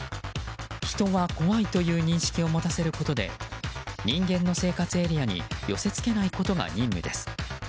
人は怖いという認識を持たせることで人間の生活エリアに寄せ付けないことが任務です。